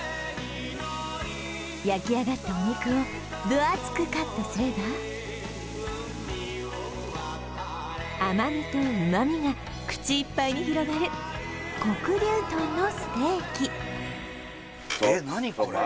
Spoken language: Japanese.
焼き上がったお肉を分厚くカットすれば甘みと旨みが口いっぱいに広がる黒琉豚のステーキえっ何これ？